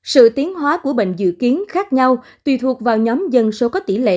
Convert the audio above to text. sự tiến hóa của bệnh dự kiến khác nhau tùy thuộc vào nhóm dân số có tỷ lệ